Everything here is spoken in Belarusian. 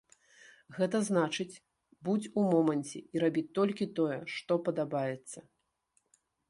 Гэта значыць будзь у моманце і рабі толькі тое, што падабаецца.